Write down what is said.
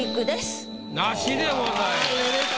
なしでございます。